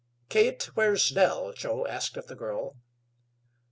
"Kate, where's Nell?" Joe asked of the girl.